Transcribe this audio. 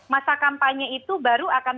masa kampanye itu baru akan